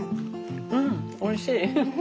うんおいしい。